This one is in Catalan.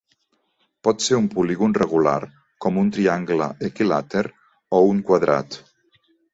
Pot ser un polígon regular, com un triangle equilàter o un quadrat.